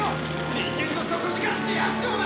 人間の底力ってやつをな！